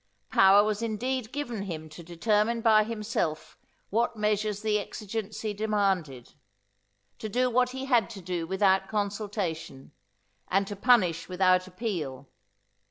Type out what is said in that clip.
Power was indeed given him to determine by himself what measures the exigency demanded; to do what he had to do without consultation; and to punish without appeal.